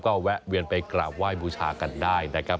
ก็แวะเวียนไปกราบไหว้บูชากันได้นะครับ